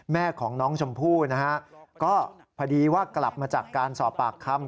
แม่ของน้องชมพู่นะฮะก็พอดีว่ากลับมาจากการสอบปากคำ